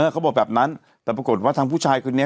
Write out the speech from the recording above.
เขาบอกแบบนั้นแต่ปรากฏว่าทางผู้ชายคนนี้